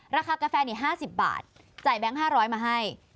ราคากาแฟ๕๐บาทจ่ายแบงค์๕๐๐มาให้